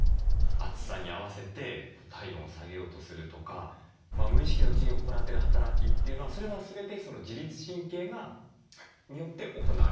暑さに合わせて体温を下げようとするとか無意識のうちに行ってる働きというのはそれは全て自律神経によって行われている？